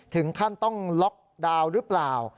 ถึงขั้นต้องล็อกดาวน์หรือเปล่า